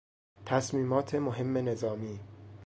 تصمیمات مهم نظامی